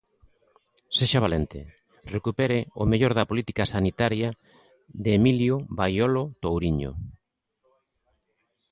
Sexa valente, recupere o mellor da política sanitaria de Emilio Baiolo Touriño.